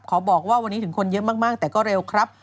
บอกว่าวันนี้ถึงคนเยอะมากแต่ก็เร็วครับ